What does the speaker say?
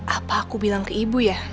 apa aku bilang ke ibu ya